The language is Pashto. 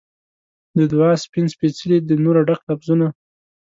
د دعا سپین سپیڅلي د نوره ډک لفظونه